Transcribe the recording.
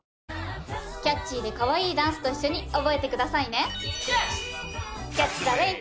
キャッチーでかわいいダンスと一緒に覚えてくださいね！